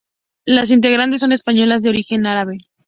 Las integrantes son españolas de origen árabe.